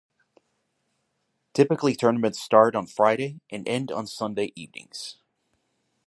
Typically tournaments start on a Friday and end on Sunday evenings.